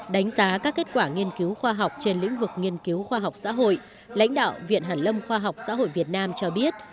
đánh giá các kết quả nghiên cứu khoa học trên lĩnh vực nghiên cứu khoa học xã hội lãnh đạo viện hàn lâm khoa học xã hội việt nam cho biết